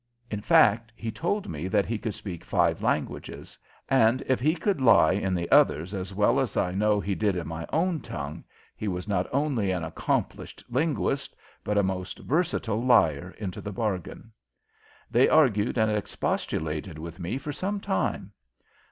In fact, he told me that he could speak five languages, and if he could lie in the others as well I know he did in my own tongue, he was not only an accomplished linguist, but a most versatile liar into the bargain. They argued and expostulated with me for some time.